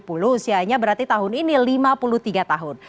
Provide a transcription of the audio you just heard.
usianya berarti tahun ini lima puluh tiga tahun